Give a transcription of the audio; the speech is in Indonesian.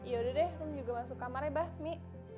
yaudah deh kamu juga masuk kamarnya bah mi